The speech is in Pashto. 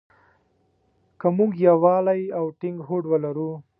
که مونږ يووالی او ټينګ هوډ ولرو.